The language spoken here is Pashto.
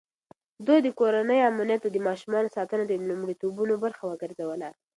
ده د کورنۍ امنيت او د ماشومانو ساتنه د لومړيتوبونو برخه وګرځوله.